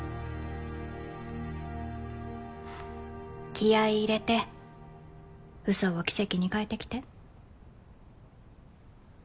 気合い入れてうそを奇跡に変えてきて。